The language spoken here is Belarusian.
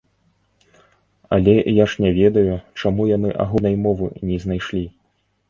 Але я ж не ведаю, чаму яны агульнай мовы не знайшлі.